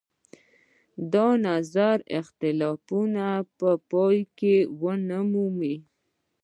د نظر اختلافونه به پای ونه مومي.